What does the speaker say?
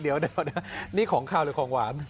เดี๋ยวนี่ของข้าวหรือของหวาน